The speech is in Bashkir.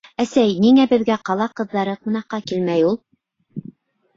— Әсәй, ниңә беҙгә ҡала ҡыҙҙары ҡунаҡҡа килмәй ул?